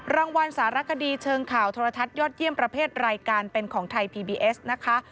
รางวัลสารคดีเชิงข่าวโทรทัศน์ยอดเยี่ยมประเภทรายการเป็นของไทยพีบีเอสนะคะ